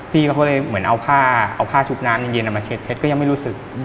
พี่เขาก็เลยเหมือนเอาผ้าเอาผ้าชุบน้ำเย็นมาเช็ดเช็ดก็ยังไม่รู้สึก